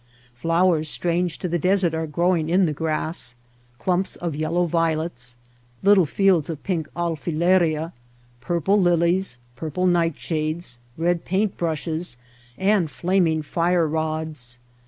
Flowers strange to the desert are growing in the grass — clumps of yel low violets, little fields of pink alfileria, purple lilies, purple nightshades, red paint brushes, and flaming fire rods.